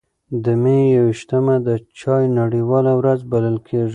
د مې یو ویشتمه د چای نړیواله ورځ بلل کېږي.